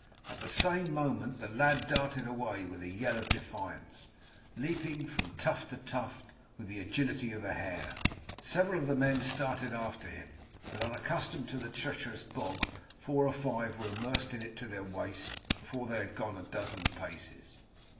At the same moment the lad darted away with a yell of defiance, leaping from tuft to tuft with the agility of a hare. Several of the men started after him, but unaccustomed to the treacherous bog four or five were immersed in it to their waist before they had gone a dozen paces.